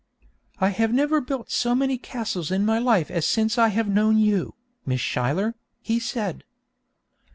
'I have never built so many castles in my life as since I've known you, Miss Schuyler,' he said.